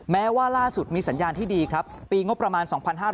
แม้ว่าล่าสุดมีสัญญาณที่ดีครับปีงบประมาณ๒๕๕๙